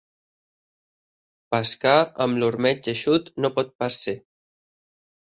Pescar amb l'ormeig eixut no pot pas ser.